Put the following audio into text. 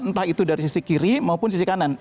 entah itu dari sisi kiri maupun sisi kanan